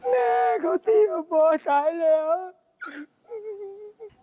แม่เค้าที่เอาพ่อตายแล้ว